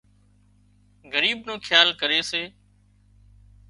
ڳريب نو کيال ڪري سي